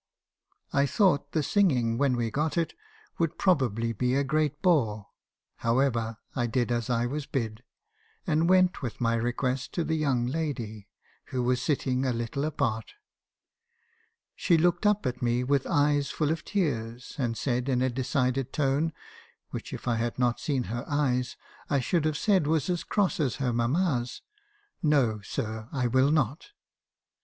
"I thought the singing, when we got it, would probably be a great bore; however, I did as I was bid, and went with my request to the young lady, who was sitting a little apart. She looked up at me with eyes full of tears, and said, in a decided tone (which, if I had not seen her eyes, I should have said was as cross as her mamma's), 'No, sir, I will not.'